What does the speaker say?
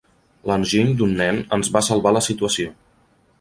L'enginy d'un nen ens va salvar la situació.